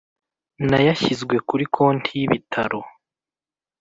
N ayashyizwe kuri konti y ibitaro